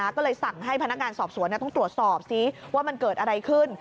ก็เลยสั่งให้พนักงานสอบสวนต้องตรวจสอบซิว่ามันเกิดอะไรขึ้น